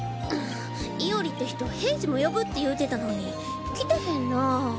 伊織って人平次も呼ぶって言うてたのに来てへんなァ。